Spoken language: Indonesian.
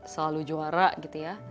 selalu juara gitu ya